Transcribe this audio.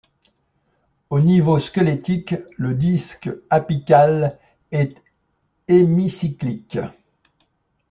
Au niveau squelettique, le disque apical est hémicyclique.